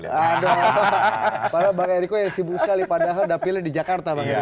padahal bang eriko yang sibuk sekali padahal dapilnya di jakarta bang eriko